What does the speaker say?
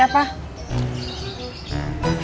telepon dari siapa